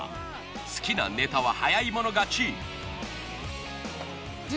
好きなネタは早い者勝ち。